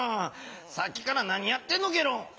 さっきから何やってんのゲロ！